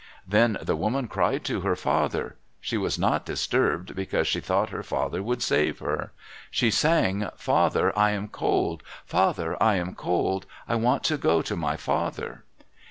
Then the woman cried to her father. She was not disturbed because she thought her father would save her. She sang, "Father, I am cold! Father, I am cold! I want to go to my father!"